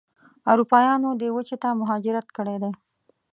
اروپایانو دې وچې ته مهاجرت کړی دی.